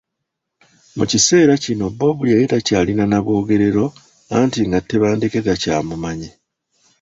Mu kiseera kino Bob yali takyalina na bwogerero anti nga Tebandeke takyamumanyi.